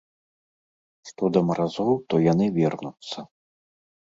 Што да маразоў, то яны вернуцца.